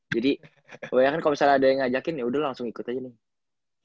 jadi bayangin kalo misalnya ada yang ngajakin yaudah lo langsung ikut aja nih